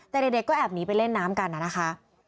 แต่เด็กก็แอบหนีไปเล่นน้ำกันนะคะ